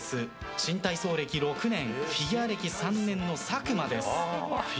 新体操歴６年フィギュア歴３年の佐久間です。